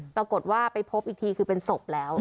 ปรากฏว่าไปพบอีกทีคือเป็นศพแล้ว